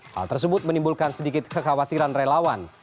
hal tersebut menimbulkan sedikit kekhawatiran relawan